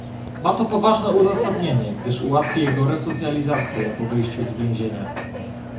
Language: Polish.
Ma to poważne uzasadnienie, gdyż ułatwi jego resocjalizację po wyjściu z więzienia